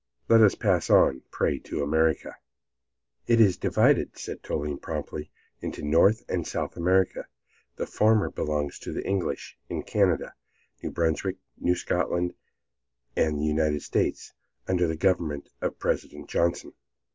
"Let us pass on, pray, to America." "It is divided," said Toline, promptly, "into North and South America. The former belongs to the English in Canada, New Brunswick, New Scotland, and the United States, under the government of President Johnson."